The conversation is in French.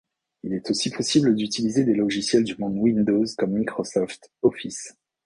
Il est aussi possible d'utiliser des logiciels du monde Windows, comme Microsoft Office.